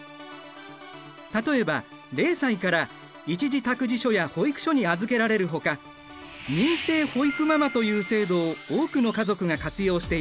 例えば０歳から一時託児所や保育所に預けられるほか認定保育ママという制度を多くの家族が活用している。